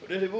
udah deh ibu